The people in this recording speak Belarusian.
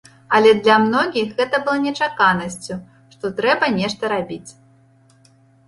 Але для многіх гэта было нечаканасцю, што трэба нешта рабіць.